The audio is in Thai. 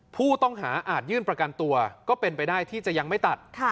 ผู้ต้องหาอาจยื่นประกันตัวก็เป็นไปได้ที่จะยังไม่ตัด